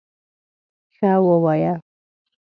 _ښه، ووايه!